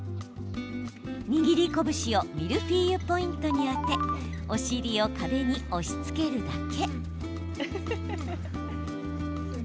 握り拳をミルフィーユポイントに当てお尻を壁に押しつけるだけ。